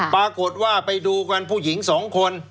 ปรากฏว่าไปดูกันผู้หญิง๒คน